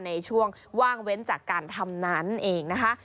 ในช่วงว่างเว้นจากการทำนั้นเองนะคะ